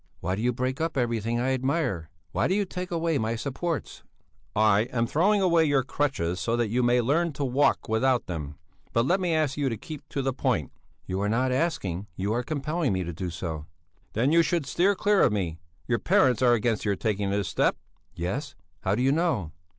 "Why do you break up everything I admire? Why do you take away my supports?" "I am throwing away your crutches so that you may learn to walk without them. But let me ask you to keep to the point." "You are not asking, you are compelling me to do so." "Then you should steer clear of me. Your parents are against your taking this step?" "Yes! How do you know?"